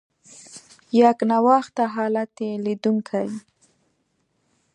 یکنواخته حالت یې لیدونکي.